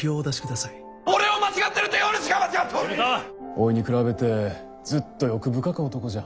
おいに比べてずっと欲深か男じゃ。